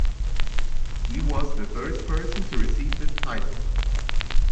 He was the first person to receive this title.